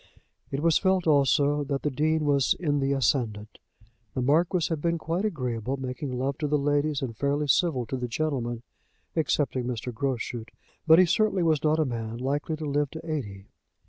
It was felt also that the Dean was in the ascendant. The Marquis had been quite agreeable, making love to the ladies, and fairly civil to the gentlemen, excepting Mr. Groschut; but he certainly was not a man likely to live to eighty.